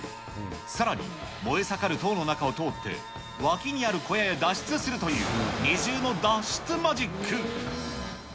さらに、燃え盛る塔の中を通って、脇にある小屋へ脱出するという、二重の脱出マジック。